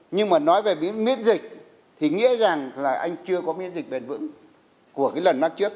nhưng mà nói về miễn dịch thì nghĩa rằng là anh chưa có miễn dịch bền vững của cái lần mắc trước